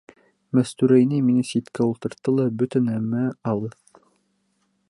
Мәстүрә инәй мине ситкә ултыртты ла, бөтә нәмә алыҫ.